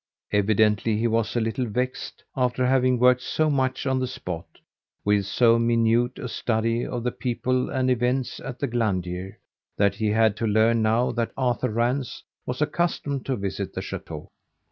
Evidently he was a little vexed, after having worked so much on the spot, with so minute a study of the people and events at the Glandier, that he had to learn now that Arthur Rance was accustomed to visit the chateau.